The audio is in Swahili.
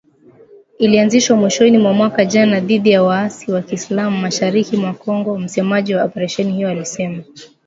Ilianzishwa mwishoni mwa mwaka jana dhidi ya waasi wa kiislam mashariki mwa Kongo msemaji wa operesheni hiyo alisema.